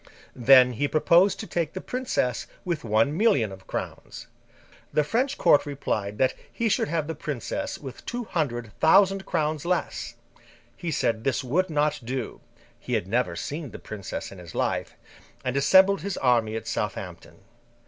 Then, he proposed to take the princess with one million of crowns. The French Court replied that he should have the princess with two hundred thousand crowns less; he said this would not do (he had never seen the princess in his life), and assembled his army at Southampton.